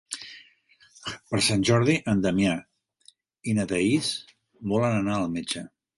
Per Sant Jordi en Damià i na Thaís volen anar al metge.